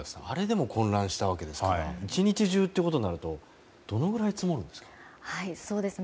あれでも混乱したわけですから１日中っていうことになるとどのぐらい積もるんですか？